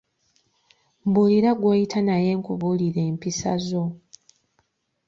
Mbulira gw’oyita naye, nkubuulire empisazo.